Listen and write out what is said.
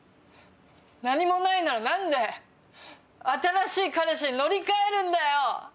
何もないなら何で新しい彼氏に乗り換えるんだよ！